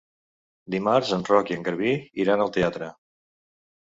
Dimarts en Roc i en Garbí iran al teatre.